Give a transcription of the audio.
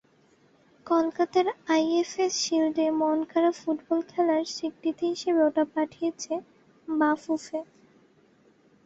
কলকাতার আইএফএ শিল্ডে মনকাড়া ফুটবল খেলার স্বীকৃতি হিসেবে ওটা পাঠিয়েছে বাফুফে।